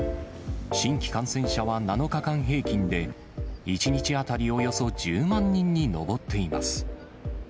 新規感染者は７日間平均で１日当たりおよそ１０万人に上っています。